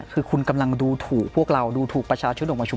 คือคุณดูถูกผู้เราดูถูกผู้ช